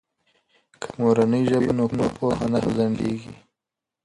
که مورنۍ ژبه وي نو پوهه نه ځنډیږي.